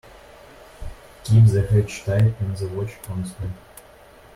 Keep the hatch tight and the watch constant.